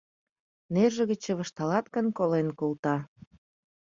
— Нерже гыч чывышталат гын, колен колта.